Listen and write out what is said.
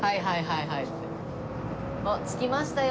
あっ着きましたよ。